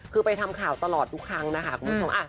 คือไปทำข่าวตลอดทุกครั้งนะคะคุณผู้ชม